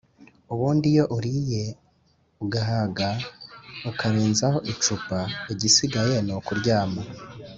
Ubundi iyo uriye ugahaga ukarenzeho icupa igisigaye ni ukuryama